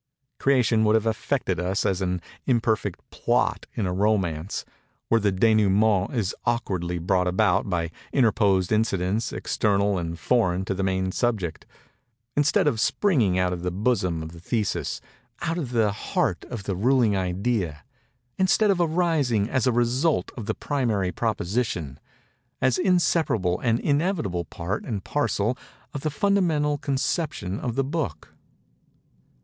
Creation would have affected us as an imperfect plot in a romance, where the dénoûment is awkwardly brought about by interposed incidents external and foreign to the main subject; instead of springing out of the bosom of the thesis—out of the heart of the ruling idea—instead of arising as a result of the primary proposition—as inseparable and inevitable part and parcel of the fundamental conception of the book.